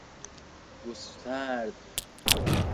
گسترد